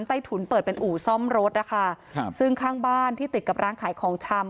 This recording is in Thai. ใต้ถุนเปิดเป็นอู่ซ่อมรถนะคะครับซึ่งข้างบ้านที่ติดกับร้านขายของชำ